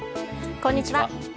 こんにちは。